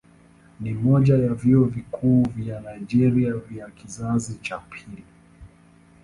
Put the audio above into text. Ni mmoja ya vyuo vikuu vya Nigeria vya kizazi cha pili.